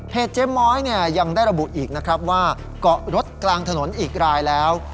เพจเจ๊ม้อยยังได้ระบุอีกว่าเกาะรถกลางถนนอีกรายแล้ว